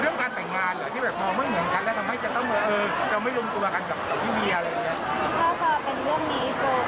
ก็ขอใช้คำว่าตัวปรับสถานาลักษณะกับพี่น้องพี่ห่วงของคุณค่ะ